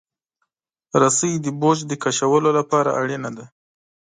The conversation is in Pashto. رسۍ د بوج د کشولو لپاره اړینه ده.